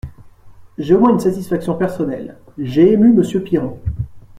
J’ai au moins une satisfaction personnelle : j’ai ému Monsieur Piron.